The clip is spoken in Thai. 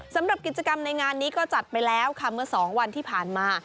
สำหรับกิจกรรมในงานนี้ก็จัดไปแล้วค่ะเมื่อ๒วันที่ผ่านมา